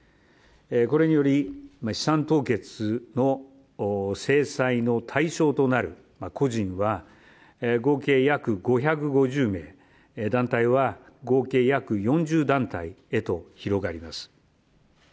これにより資産凍結の制裁の対象となる個人は合計約５５０名、団体は合計約４０団体へと広がります。